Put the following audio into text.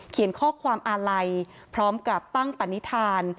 เขียนข้อความอาลัยพร้อมกับตั้งปณิธาน